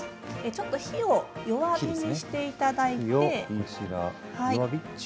ちょっと火を弱めにしていただいて。